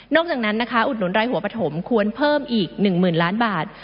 จากนั้นนะคะอุดหนุนรายหัวปฐมควรเพิ่มอีก๑๐๐๐ล้านบาท